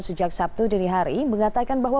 sejak sabtu dini hari mengatakan bahwa